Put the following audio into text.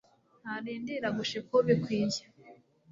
Ntarindira gushika ubikwiye